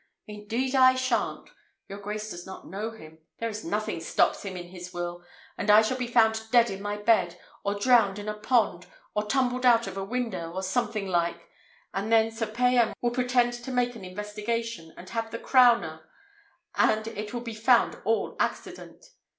Indeed I shan't. Your grace does not know him. There is nothing stops him in his will; and I shall be found dead in my bed, or drowned in a pond, or tumbled out of window, or something like; and then Sir Payan will pretend to make an investigation, and have the crowner, and it will be found all accident.